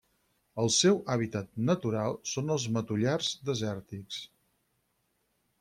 El seu hàbitat natural són els matollars desèrtics.